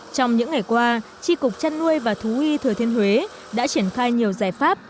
trong những ngày qua tri cục chăn nuôi và thú y thừa thiên huế đã triển khai nhiều giải pháp